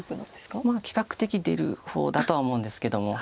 比較的出る方だとは思うんですけども。